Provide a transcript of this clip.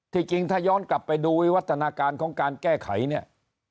จริงถ้าย้อนกลับไปดูวิวัฒนาการของการแก้ไขเนี่ย